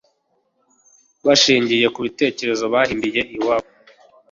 bashingiye ku bitekerezo bahimbiye iwabo